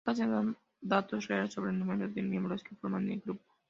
Nunca se dan datos reales sobre el número de miembros que forman el grupo.